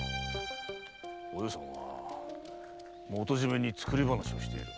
お葉さんは元締に作り話をしている。